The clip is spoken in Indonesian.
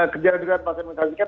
kejadilan vaksinasi kan